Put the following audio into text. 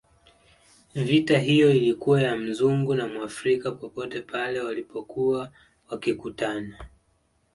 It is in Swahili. Vita iyo ilikuwa ya Mzungu na Mwafrika popote pale walipokuwa wakikutana